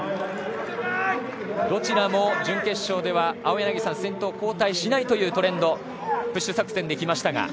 どちらも準決勝では青柳さん先頭交代しないというトレンドプッシュ作戦でいきました。